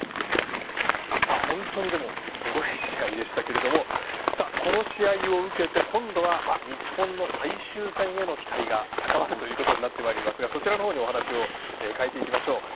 本当にすごい試合でしたけれどもこの試合を受けて、今度は日本の最終戦への期待が高まるということになってまいりますがそちらの方にお話を変えていきましょう。